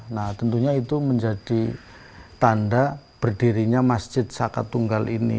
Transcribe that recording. nah tentunya itu menjadi tanda berdirinya masjid saka tunggal ini